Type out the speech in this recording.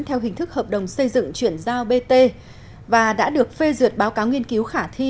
theo hình thức hợp đồng xây dựng chuyển giao bt và đã được phê duyệt báo cáo nghiên cứu khả thi